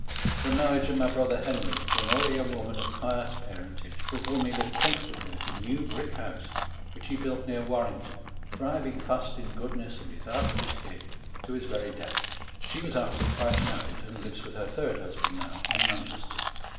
The marriage of my brother Henry to an holy young woman of pious parentage, with whom he lived comfortably at a new brick house, which ho built near Warrington thriving fast in id his outward estate to his very ileatli. She was after ^^ni twice married, and lives with hor third husband now, in Mancheaterj 2.